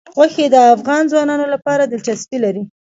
غوښې د افغان ځوانانو لپاره دلچسپي لري.